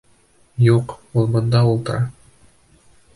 Юҡ, ул бында ултыра.